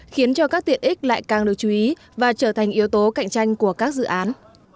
khiến cho các tiện ích lại càng được chú ý và trở thành yếu tố cạnh tranh của các dự án